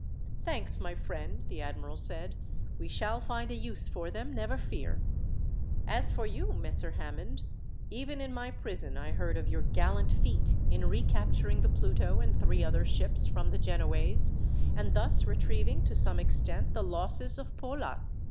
"Thanks, my friend," the admiral said. "We shall find a use for them, never fear. "As for you, Messer Hammond, even in my prison I heard of your gallant feat, in recapturing the Pluto and three other ships from the Genoese, and thus retrieving, to some extent, the losses of Pola.